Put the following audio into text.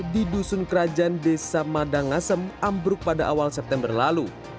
di dusun kerajaan desa madangasem ambruk pada awal september lalu